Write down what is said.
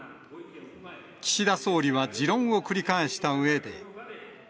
岸田総理は持論を繰り返したうえで。